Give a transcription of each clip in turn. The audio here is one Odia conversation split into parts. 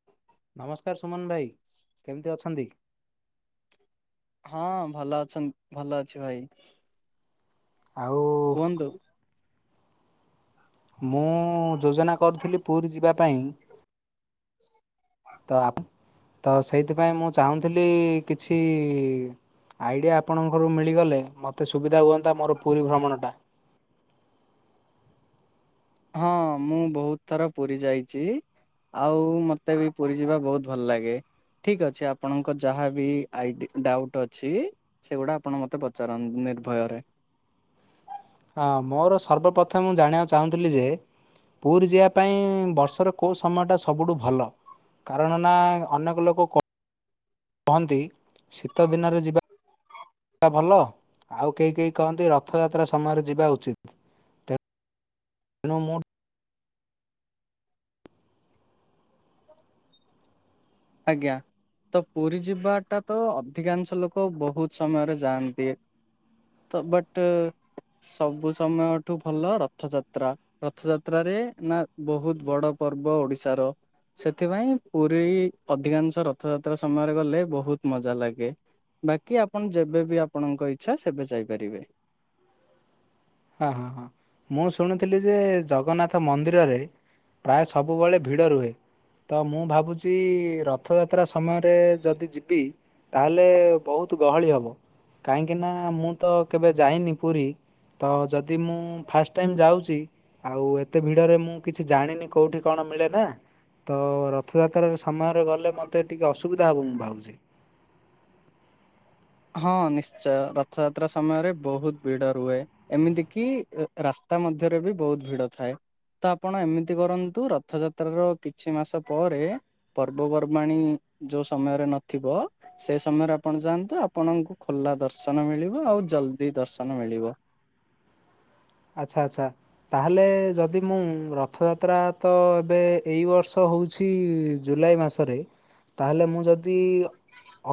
[inaudible] ନମସ୍କାର ସୁମନ ଭାଇ। କେମିତି ଅଛନ୍ତି? ହଁ ଭଲ ଅଛନ୍ତି, ଭଲ ଅଛି ଭାଇ। ଆଉ। କୁହନ୍ତୁ ମୁଁ ଯୋଜନା କରୁଥିଲି ପୁରୀ ଯିବା ପାଇଁ ତ ତ ସେଇଥିପାଇଁ ମୁଁ ଚାହୁଁଥିଲି କିଛି ଆଇଡିଆ ଆପଣଙ୍କର ମିଳିଗଲେ ମତେ ସୁବିଧା ହୁଅନ୍ତା ମୋର ପୁରୀ ଭ୍ରମଣ ଟା ହଁ ମୁଁ ବହୁତ ଥର ପୁରୀ ଯାଇଛି ଆଉ ମତେ ବି ପୁରୀ ଯିବା ବହୁତ ଭଲ ଲାଗେ ଠିକ ଅଛି ଆପଣଙ୍କ ଯାହାବ ଆଇ ଡାଉଟ ଅଛି ସେଗୁଡା ଆପଣ ମତେ ପଚାରନ୍ତ ନିର୍ଭୟରେ ହଁ ମୋର ସର୍ବପ୍ରଥମେ ମୁଁ ଜାଣିବାକୁ ଚାହୁଁଥିଲି ଯେ ପୁରୀ ଯିବା ପାଇଁ ବର୍ଷର କେଉଁ ସମୟଟା ସବୁଠୁ ଭଲ କାରଣ ନା ଅନେକ ଲୋକ କହନ୍ତି ଶୀତ ଦିନରେ ଯିବା ଭଲ ଆଉ କେହି କେହି କହନ୍ତି ରଥଯାତ୍ରା ସମୟରେ ଯିବା ଉଚିତ୍ ତେଣୁ ମୁଁ [inaudible] ଆଜ୍ଞା ତ ପୁରୀ ଯିବାଟା ତ ଅଧିକାଂଶ ଲୋକ ବହୁତ ସମୟରେ ଯାଆନ୍ତି ତ ବଟ ସବୁ ସମୟଠୁ ଭଲ ରଥଯାତ୍ରା ରଥଯାତ୍ରାରେ ନା ବହୁତ ବଡ ପର୍ବ ଓଡିଶାର ସେଥିପାଇଁ ପୁରୀ ଅଧିକାଂଶ ରଥଯାତ୍ରା ସମୟରେ ଗଲେ ବହୁତ ମଜା ଲାଗେ ବାକି ଆପଣ ଯେବେ ବି ଆପଣଙ୍କ ଇଛା ସେବେ ଯାଇପାରିବେ ହଁ ହଁ ହଁ ମୁଁ ଶୁଣୁଥିଲି ଯେ ଜଗନ୍ନାଥ ମନ୍ଦିରରେ ପ୍ରାୟ ସବୁବେଳେ ଭିଡ଼ ରୁହେ ତ ମୁଁ ଭାବୁଛି ରଥଯାତ୍ରା ସମୟରେ ଯଦି ଯିବି ତାହେଲେ ବହୁତ ଗହଳି ହବ କାହିଁକି ନା ମୁଁ ତ କେବେ ଯାଇନି ପୁରୀ ତ ଯଦି ମୁଁ ଫାଷ୍ଟ ଟାଇମ୍ ଯାଉଛି ଆଉ ଏତେ ଭିଡରେ ମୁଁ କିଛି ଜାଣିନି କୋଉଠି କଣ ମିଳେ ନା ତ ରଥଯାତ୍ରାରେ ସମୟରେ ଗଲେ ମୋତେ ଟିକିଏ ଅସୁବିଧା ହେବ ମୁଁ ଭାବୁଛି ହଁ ନିଶ୍ଚୟ ରଥଯାତ୍ରା ସମୟରେ ବହୁତ ଭିଡ଼ ରୁହେ ଏମିତି କିି ରାସ୍ତା ମଧ୍ୟରେ ବି ବହୁତ ଭିଡ ଥାଏ ତ ଆପଣ ଏମିତି କରନ୍ତୁ ରଥଯାତ୍ରାର କିଛି ମାସ ପରେ ପର୍ବପର୍ବାଣି ଯୋଉ ସମୟରେ ନଥିବ ସେ ସମୟରେ ଆପଣ ଯାଆନ୍ତୁ ଆପଣଙ୍କୁ ଖୋଲା ଦର୍ଶନ ମିଳିବ ଆଉ ଜଲ୍ଦି ଦର୍ଶନ ମିଳିବ ଆଚ୍ଛା ଆଚ୍ଛା ତାହେଲେ ଯଦି ମୁଁ ରଥଯାତ୍ରା ତ ଏବେ ଏଇ ବର୍ଷ ହେଉଛି ଜୁଲାଇ ମାସ ରେ ତାହେଲେ ମୁଁ ଯଦି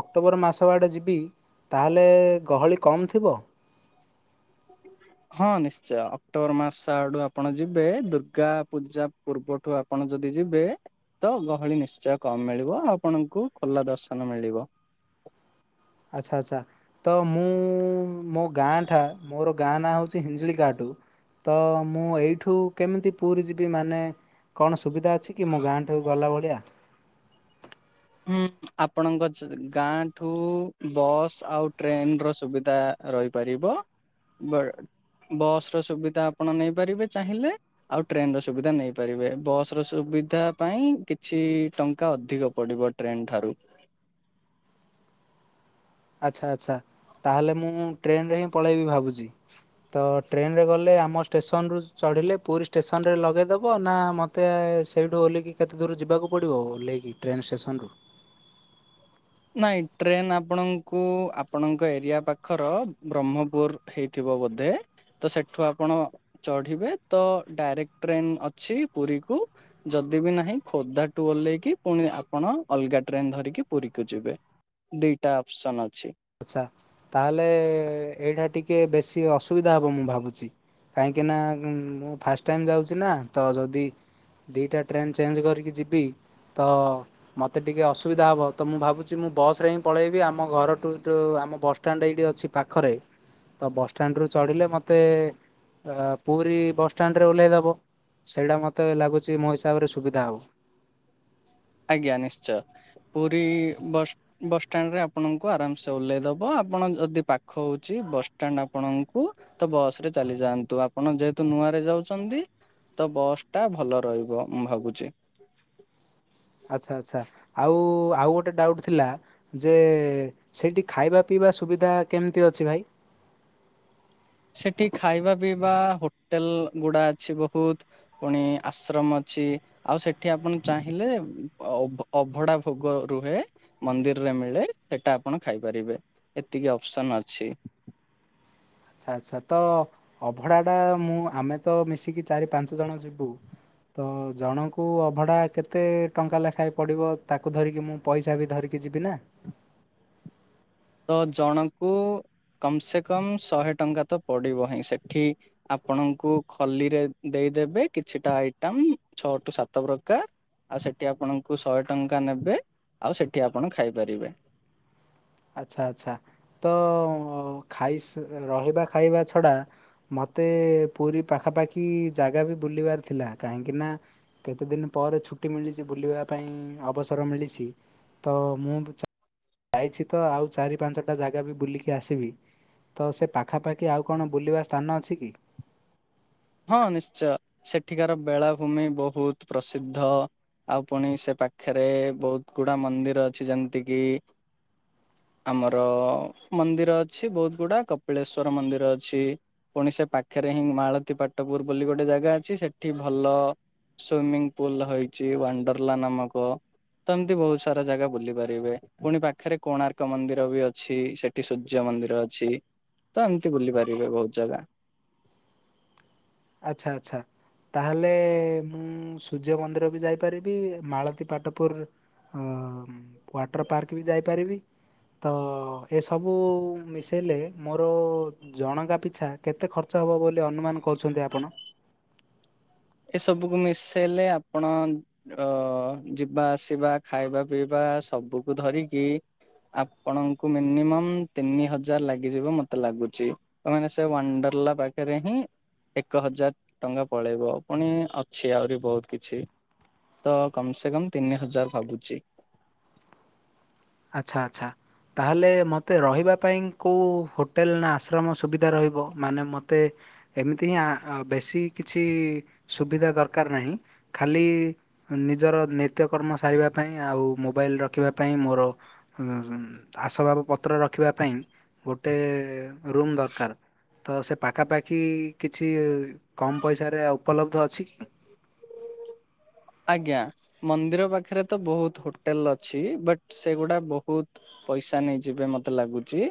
ଅକ୍ଟୋବର ମାସ ଆଡ଼େ ଯିବି ତାହେଲେ ଗହଳି କମ୍ ଥିବ [inaudible] ହଁ ନିଶ୍ଚୟ ଅକ୍ଟୋବର ମାସ ଆଡୁ ଆପଣ ଯିବେ ଦୁର୍ଗା ପୂଜା ପୂର୍ବଠୁ ଆପଣ ଯଦି ଯିବେ ତ ଗହଳି ନିଶ୍ଚୟ କମ ମିଳିବ ଆଉ ଆପଣଙ୍କୁ ଖୋଲା ଦର୍ଶନ ମିଳିବ ଆଚ୍ଛା ଆଚ୍ଛା ତ ମୁଁ ମୋ ଗାଁଠା ମୋର ଗାଁ ନାଁ ହେଉଛି ହିଞ୍ଜଳିିକାଟୁ ତ ମୁଁ ଏଇଠୁ କେମିତି ପୁରୀ ଯିବି ମାନେ କଣ ସୁବିଧା ଅଛି କି ମୋ ଗାଁଠୁ ଗଲା ଭଳିଆ ହୁଁ [inaudible] ଆପଣଙ୍କ ଗାଁ ଠୁ ବସ୍ ଆଉ ଟ୍ରେନ ର ସୁବିଧା ରହିପାରିବ ବଟ ବସ ର ସୁବିଧା ଆପଣ ନେଇପାରିବେ ଚାହିଁଲେ ଆଉ ଟ୍ରେନ ର ସୁବିଧା ନେଇପାରିବେ, ବସ ର ସୁବିଧା ପାଇଁ କିଛି ଟଙ୍କା ଅଧିକ ପଡିବ। ଟ୍ରେନ୍ ଠାରୁ। ଆଚ୍ଛା ଆଚ୍ଛା ତାହେଲେ ମୁଁ ଟ୍ରେନରେ ହିଁ ପଳେଇବି ଭାବୁଛି। ତ ଟ୍ରେନରେ ଗଲେ ଆମ ଷ୍ଟେସନ ରୁ ଚଢ଼ିଲେ ପୁରୀ ଷ୍ଟେସନରେ ଲଗେଇଦେବ ନାଁ ମୋତେ ତେ ସେଇଠୁ ଓଲେହିକି କେତେ ଦୂର ଯିବାକୁ ପଡିବ, ଓଲେହିକି ଟ୍ରେନ ସେକ୍ସନ ରୁ। ନାଇଁ ଟ୍ରେନ୍ ଆପଣଙ୍କୁ, ଆପଣଙ୍କ ଏରିଆ ପାଖର ବ୍ରହ୍ମପୁର ହେଇଥିବ ବୋଧେ। ତ ସେଠୁ ଆପଣ ଚଢିବେ, ତ ଡାଇରେକ୍ଟ ଟ୍ରେନ ଅଛି ପୁରୀକୁ। ଯଦି ବିି ନାହିଁ ଖୋର୍ଦ୍ଧା ଟୁ ଓହ୍ଲେଇକି ପୁଣି ଆପଣ ଅଲଗା ଟ୍ରେନ ଧରିକି ପୁରୀ କୁ ଯିବେ ଦିଟା ଅପସନ୍ ଅଛି। ଆଚ୍ଛା ତାହେଲେ ଏଇଟା ଟିକେ ବେଶୀ ଅସୁବିଧା ହେବ ମୁଁ ଭାବୁଛି। କାହିଁକିନା ମୁଁ ଫାଷ୍ଟ ଟାଇମ୍ ଯାଉଛି ନା, ତ ଯଦି ଦିଇଟା ଟ୍ରେନ୍ ଚେଞ୍ଜ କରିକି ଯିବି, ତ ମୋତେ ଟିକେ ଅସୁବିଧା ହେବ ତ, ମୁଁ ଭାବୁଛି ମୁଁ ବସ୍ ରେ ହିଁ ପଳେଇବି ଆମ ଘରଠୁ ଯୋଉ ଆମ ବସଷ୍ଟାଣ୍ଡ ଏଇଠି ଅଛି ପାଖରେ। ତ ବସ୍ ଷ୍ଟାଣ୍ଡ ରୁ ଚଢ଼ିଲେ ମୋତେ ଅ ପୁରୀ ବସ୍ ଷ୍ଟାଣ୍ଡ ରେ ଓହ୍ଲାଇଦେବ। ସେଇଟା ମତେ ଲାଗୁଛି ମୋ ହିସାବରେ ସୁବିଧା ହବ। ଆଜ୍ଞା ନିଶ୍ଚୟ, ପୁରୀ ବସ ବସ୍ ଷ୍ଟାଣ୍ଡ ରେ ଆପଣଙ୍କୁ ଆରାମସେ ଓହ୍ଲେଇଦବ, ଆପଣ ଯଦି ପାଖ ହଉଛି ବସ୍ ଷ୍ଟାଣ୍ଡ ଆପଣଙ୍କୁ ତ ବସ୍ ରେ ଚାଲି ଯାଆନ୍ତୁ, ଆପଣ ଯେହେତୁ ନୂଆ ରେ ଯାଉଛନ୍ତି। ତ ବସ୍ ଟା ଭଲ ରହିବ, ମୁଁ ଭାବୁଛି। ଆଚ୍ଛା ଆଚ୍ଛା, ଆଉ ଆଉ ଗୋଟେ ଡାଉଟ୍ ଥିଲା, ଯେ ସେଇଠି ଖାଇବା ପିଇବା ସୁବିଧା କେମିତି ଅଛି ଭାଇ। ସେଠି ଖାଇବା ପିଇବା ହୋଟେଲ ଗୁଡା ଅଛି ବହୁତ। ପୁଣି ଆଶ୍ରମ ଅଛି। ଆଉ ସେଠି ଆପଣ ଚାହିଁଲେ ଅ ଅଭଡା ଭୋଗ ରୁହେ। ମନ୍ଦିରରେ ମିଳେ, ସେଟା ଆପଣ ଖାଇପାରିବେ, ଏତିକି ଅପସନ୍ ଅଛି। ଆଚ୍ଛା ଆଚ୍ଛା ତ ଅଭଢା ଟା ମୁଁ ଆମେ ତ ମିଶିକି ଚାରି ପାଞ୍ଚ ଜଣ ଯିବୁ। ତ ଜଣଙ୍କୁ ଅଭଢ଼ା କେତେ ଟଙ୍କା ଲେଖାଏ ପଡ଼ିବ, ତାକୁ ଧରିକି ମୁଁ ପଇସା ବି ଧରିକି ଯିବି ନାଁ। ତ ଜଣକୁ କମ୍ ସେ କମ୍ ଶହେ ଟଙ୍କା ତ ପଡିବ ହିଁ ସେଠି। ଆପଣଙ୍କୁ ଖଲିରେ ଦେଇଦେବେ କିଛିଟା ଆଇଟମ୍ ଛଅ ଟୁ ସାତ ପ୍ରକାର। ଆଉ ସେଠି ଆପଣଙ୍କୁ ଶହେ ଟଙ୍କା ନେବେ, ଆଉ ସେଠି ଆପଣ ଖାଇପାରିବେ। ଆଚ୍ଛା ଆଚ୍ଛା ତ ଖାଇ ସା ରହିବା ଖାଇବା ଛଡ଼ା ମୋତେ ପୁରୀ ପାଖାପାଖି ଜାଗା ବି ବୁଲିବାର ଥିଲା, କାହିଁକି ନାଁ କେତେ ଦିନ ପରେ ଛୁଟି ମିଳିଛି ବୁଲିବା ପାଇଁ ଅବସର ମିଳିଛି, ତ ମୁଁ ବି ଯାଇଛି ତ ଆଉ ଚାରି ପାଞ୍ଚଟା ଜାଗା ବି ବୁଲିକି ଆସିବି। ତ ସେ ପାଖାପାଖି ଆଉ କଣ ବୁଲିବା ସ୍ଥାନ ଅଛି କି? ହଁ ନିଶ୍ଚୟ, ସେଠିକାର ବେଳାଭୂମି ବହୁତ ପ୍ରସିଦ୍ଧ। ଆଉ ପୁଣି ସେ ପାଖରେ ବହୁତ ଗୁଡା ମନ୍ଦିର ଅଛି ଯେମିତି କିି ଆମର ମନ୍ଦିର ଅଛି ବହୁତ ଗୁଡା କପିଳେଶ୍ଵର ମନ୍ଦିର ଅଛି। ପୁଣି ସେ ପାଖରେ ହିଁ ମାଳତୀ ପାଟପୁର ବୋଲି ଗୋଟେ ଜାଗା ଅଛି ସେଠି ଭଲ ସୁଇମୀଙ୍ଗ ପୁଲ ହେଇଛି, ୱଣ୍ଡରେଳା ନାମକ। ତ ଏମିତି ବହୁତ ସାରା ଜାଗା ବୁଲି ପାରିବେ। ପୁଣି ପାଖରେ କୋଣାର୍କ ମନ୍ଦିର ବି ଅଛି, ସେଠି ସୂର୍ଯ୍ୟ ମନ୍ଦିର ଅଛି। ତ ଏମିତି ବୁଲି ପାରିବେ ବହୁତ ଜାଗା। ଆଚ୍ଛା ଆଚ୍ଛା। ତାହେଲେ ମୁଁ ସୂର୍ଯ୍ୟ ମନ୍ଦିର ବି ଯାଇପାରିବି ମାଳତୀ ପାଟପୁର ଅ ୱାଟର ପାର୍କ ବି ଯାଇପାରିବି। ତ ଏସବୁ ମିଶେଇଲେ ମୋର ଜଣଙ୍କା ପିଛା କେତେ ଖର୍ଚ୍ଚ ହେବ ବୋଲି ଅନୁମାନ କରୁଛନ୍ତି ଆପଣ? ଏସବୁକୁ ମିଶେଇଲେ ଆପଣ ଅ ଯିବା ଆସିବା ଖାଇବା ପିଇବା ସବୁକୁ ଧରିକି ଆପଣଙ୍କୁ ମିନିମମ୍ ତିନି ହଜାର ଲାଗିଯିବ ମତେ ଲାଗୁଛି। ତମାନେ ସେ ୱାଣ୍ଡରଲା ପାଖରେ ହିଁ ଏକ ହଜାର ଟଙ୍କା ପଳେଇବ। ପୁଣି ଅଛି ଆହୁରି ବହୁତ କିଛି ତ କମ ସେ କମ ତିନି ହଜାର ଭାବୁଛି। ଆଚ୍ଛା ଆଚ୍ଛା। ତାହେଲେ ମୋତେ ରହିବା ପାଇଁ କେଉଁ ହୋଟେଲ ନା ଆଶ୍ରମ ସୁବିଧା ରହିବ ମାନେ ମୋତେ ଏମିତି ହିଁ ବେଶୀ କିଛି ସୁବିଧା ଦରକାର ନାହିଁ। ଖାଲି ନିଜର ନିତ୍ୟକର୍ମ ସାରିବା ପାଇଁ ଆଉ ମୋବାଇଲ ରଖିବା ପାଇଁ ମୋର। ଆସବାବ ପତ୍ର ରଖିବା ପାଇଁ ଗୋଟେ ରୁମ୍ ଦରକାର। ତ ସେ ପାଖାପାଖି କିଛି କମ୍ ପଇସାରେ ଉପଲବ୍ଧ ଅଛି କି? [inaudible] ଆଜ୍ଞା। ମନ୍ଦିର ପାଖରେ ତ ବହୁତ ହୋଟେଲ ଅଛି ବଟ ସେଗୁଡା ବହୁତ ପଇସା ନେଇଯିବେ ମତେ ଲାଗୁଛି।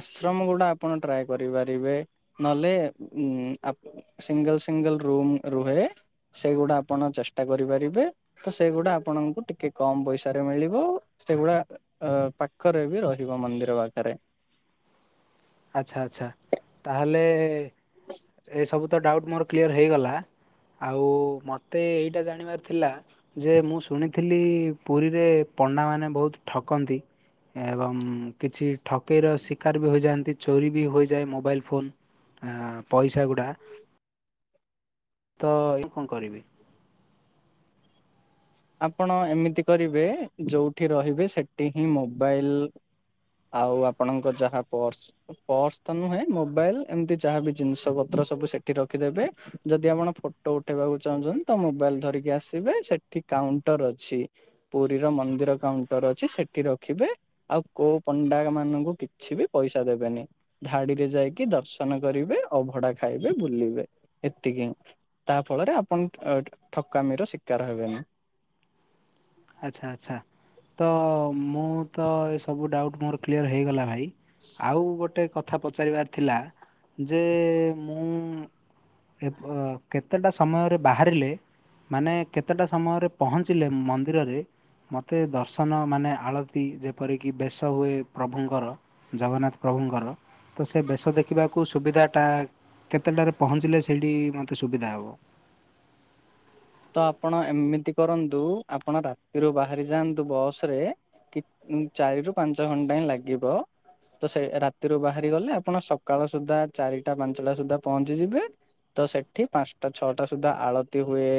ଆଶ୍ରମ ଗୁଡା ଆପଣ ଟ୍ରାଏ କରିପାରିବେ ନହେଲେ ଉ ଆପ ବିଧାୟକ ସିଙ୍ଗଲ ସିଙ୍ଗଲ ରୁମ୍ ରୁହେ। ସେଇଗୁଡା ଆପଣ ଚେଷ୍ଟା କରିପାରିବେ। ତ ସେଗୁଡା ଆପଣଙ୍କୁ ଟିକେ କମ ପଇସା ରେ ମିଳିବ ସେଗୁଡା ଅ ପାଖରେ ବି ରହିବ ମନ୍ଦିର ପାଖରେ। ଆଚ୍ଛା ଆଚ୍ଛା ତାହେଲେ ଏସବୁ ତ ଡାଉଟ୍ ମୋର କ୍ଲିଅର୍ ହେଇଗଲା। ଆଉ ମତେ ଏଇଟା ଜାଣିବାର ଥିଲା? ଯେ ମୁଁ ଶୁଣିଥିଲି ପୁରୀରେ ପଣ୍ଡାମାନେ ବହୁତ ଠକନ୍ତି। ଏବଂ କିଛି ଠକେଇର ଶିକାର ବି ହୋଇଯାଆନ୍ତି। ଚୋରି ବି ହୋଇଯାଏ ମୋବାଇଲ୍ ଫୋନ୍ ପଇସା ଗୁଡ଼ା। ତ ଇଏ କଣ କରିବି? ଆପଣ ଏମିତି କରିବେ ଯୋଉଠି ରହିବେ ସେଠି ହିଁ ମୋବାଇଲ ଆଉ ଆପଣଙ୍କ ଯାହା ପର୍ସ। ପର୍ସ ତ ନୁହେଁ ମୋବାଇଲ ଏମିତି ଯାହାବି ଜିନିଷ ପତ୍ର ସବୁ ସେଠି ରଖିଦେବେ ଯଦି ଆପଣ ଫଟ ଉଠେଇବାକୁ ଚାହୁଁଛନ୍ତି ତ ମୋବାଇଲ ଧରିକି ଆସିବେ ସେଠି କାଉଣ୍ଟର ଅଛି। ପୁରୀର ମନ୍ଦିର କାଉଣ୍ଟର ଅଛି ସେଠି ରଖିବେ। ଆଉ କୋଉ ପଣ୍ଡାମାନଙ୍କୁ କିଛି ବି ପଇସା ଦେବେନି। ଧାଡିରେ ଯାଇକି ଦର୍ଶନ କରିବେ ଅ ଭଡା ଖାଇବେ ବୁଲିବେ ଏତିକି ହିଁ। ତାହା ଫଳରେ ଆପଣ ଠକାମିର ଶିକାର ହେବେନି। ଆଚ୍ଛା ଆଚ୍ଛା ତ ମୁଁ ତ ଏସବୁ ଡାଉଟ୍ ମୋର କ୍ଲିଅର ହେଇଗଲା ଭାଇ। ଆଉ ଗୋଟେ କଥା ପଚାରିବାର ଥିଲା ଯେ ମୁଁ କେତେଟା ସମୟରେ ବାହାରିଲେ ମାନେ କେତେଟା ସମୟରେ ପହଞ୍ଚିଲେ ମ ମନ୍ଦିରରେ ମତେ ଦର୍ଶନ ମାନେ ଆଳତି ଯେପରିକି ବେଶ ହୁଏ ପ୍ରଭୁଙ୍କର। ଜଗନ୍ନାଥ ପ୍ରଭୁଙ୍କର ତ ସେ ବେଶ ଦେଖିବାକୁ ସୁବିଧାଟା କେତେଟାରେ ପହଞ୍ଚିଲେ ସେଇଠି ମୋତେ ସୁବିଧା ହେବ? ତ ଆପଣ ଏମିତି କରନ୍ତୁ ଆପଣ ରାତିରୁ ବାହାରି ଯାଆନ୍ତୁ ବସ ରେ କିଟ୍ ଚାରି ରୁ ପାଞ୍ଚ ଘଣ୍ଟା ହିଁ ଲାଗିବ ତ ସେ ରାତିରୁ ବାହାରି ଗଲେ ଆପଣ ସକାଳ ସୁଦ୍ଧା ଚାରିଟା ପାଞ୍ଚଟା ସୁଧା ପହଞ୍ଚିଯିବେ ତ ସେଠି ପାଞ୍ଚଟା ଛଅଟା ସୁଦ୍ଧା ଆଳତି ହୁଏ,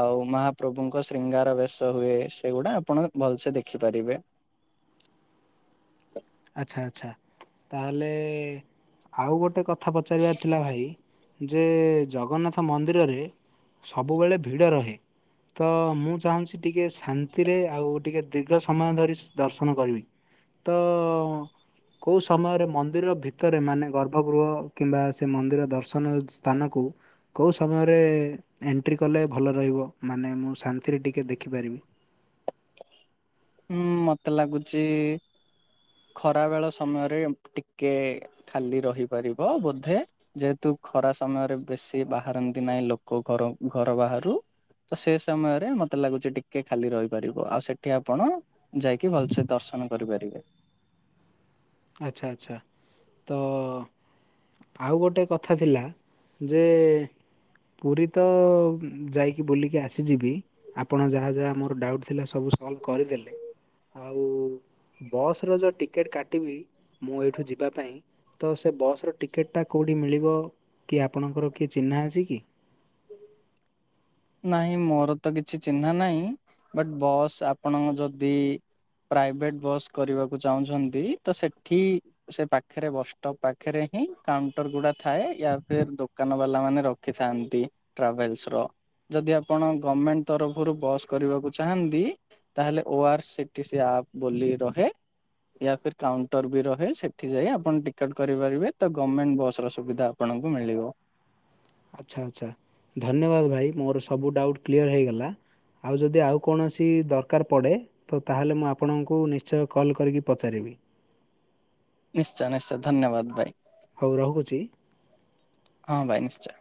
ଆଉ ମହାପ୍ରଭୁଙ୍କ ଶ୍ରୀଙ୍ଗାର ବେଶ ହୁଏ, ସେଗୁଡ଼ା ଆପଣ ଭଲସେ ଦେଖିପାରିବେ। ଆଚ୍ଛା ଆଚ୍ଛା ତାହେଲେ ଆଉ ଗୋଟେ କଥା ପଚାରିବାର ଥିଲା ଭାଇ। ଯେ ଜଗନ୍ନାଥ ମନ୍ଦିରରେ ସବୁବେଳେ ଭିଡ଼ ରହେ ତ ମୁଁ ଚାହୁଁଛି ଟିକେ ଶାନ୍ତିରେ ଆଉ ଟିକେ ଦୀର୍ଘ ସମୟ ଧରି ଦର୍ଶନ କରିବି। ତ କୋଉ ସମୟରେ ମନ୍ଦିର ଭିତରେ ମାନେ ଗର୍ଭଗୃହ କିମ୍ବା ସେ ମନ୍ଦିର ଦର୍ଶନ ସ୍ଥାନକୁ କୋଉ ସମୟରେ ଏଣ୍ଟ୍ରି କଲେ ଭଲ ରହିବ, ମାନେ ମୁଁ ଶାନ୍ତିରେ ଟିକେ ଦେଖିପାରିବି। ହୁଁ ମତେ ଲାଗୁଚ ଖରା ବେଳ ସମୟରେ ଟିକେ ଖାଲି ରହିପାରିବ ବୋଧେ ଯେହେତୁ ଖରା ସମୟରେ ବେଶୀ ବାହାରନ୍ତି ନାହିଁ ଲୋକ ଘର ଘର ବାହାରୁ। ତ ସେ ସମୟରେ ମତେ ଲାଗୁଛି ଟିକେ ଖାଲି ରହି ପାରିବ ଆଉ ସେଠି ଆପଣ ଯାଇକି ଭଲସେ ଦର୍ଶନ କରିପାରିବେ। ଆଚ୍ଛା ଆଚ୍ଛା, ତ ଆଉ ଗୋଟେ କଥା ଥିଲା ଯେ ପୁରୀ ତ ଯାଇକି ବୁଲିକି ଆସିଯିବି ଆପଣ ଯାହା ଯାହା ମୋର ଡ଼ାଉଟ୍ ଥିଲା ସବୁ ସଲଭ୍ କରିଦେଲେ। ଆଉ ବସ୍ ର ଯୋଉ ଟିକେଟ କାଟିବି ମୁଁ ଏଇଠୁ ଯିବା ପାଇଁ ତ ସେ ବସ୍ ର ଟିକେଟ୍ ଟା କୋଉଠି ମିଳିବ କି ଆପଣଙ୍କର କିଏ ଚିହ୍ନା ଅଛି କି? ନାହିଁ ମୋର ତ କିଛି ଚିହ୍ନା ନାହିଁ ବଟ୍ ବସ୍ ଆପଣଙ୍କ ଯଦି ପ୍ରାଇଭେଟ୍ ବସ୍ କରିବାକୁ ଚାହୁଁଛନ୍ତି ତ ସେଠି ସେ ପାଖରେ ବସ୍ ଟପ୍ ପାଖରେ ହିଁ କାଉଣ୍ଟର ଗୁଡ଼ା ଥାଏ ୟା ଫିର୍ ଦୋକାନ ବାଲା ମାନେ ରଖ ରଖିଥାନ୍ତି ଟ୍ରାଭେଲସ ର। ଯଦି ଆପଣ ଗମ୍ମେଣ୍ଟ୍ ତରଫରୁ ବସ୍ କରିବାକୁ ଚାହାନ୍ତି ତାହେଲେ ଓ ଆର୍ ସିଟିସି ଆପ୍ ବୋଲି ରହେ ୟା ଫିର୍ କାଉଣ୍ଟର ବି ରହେ ସେଠି ଯାଇ ଆପଣ ଟିକେଟ୍ କରିପାରିବେ ତ ଗମେଣ୍ଟ ବସ୍ ର ସୁବିଧା ହବ ଆପଣଙ୍କୁ ମିଳିବ। ଆଚ୍ଛା ଆଚ୍ଛା, ଧନ୍ୟବାଦ ଭାଇ ମୋର ସବୁ ଡ଼ାଉଟ୍ କ୍ଲିୟର ହେଇଗଲା। ଆଉ ଯଦି ଆଉ କୌଣସି ଦରକାର ପଡ଼େ ତ ତାହେଲେ ମୁଁ ଆପଣଙ୍କୁ ନିଶ୍ଚୟ କଲ୍ କରିକି ପଚାରିବି। ନିଶ୍ଚୟ ନିଶ୍ଚୟ ଧନ୍ୟବାଦ ଭାଇ। ହୋଉ ରହୁଛି। ହଁ ଭାଇ ନିଶ୍ଚୟ।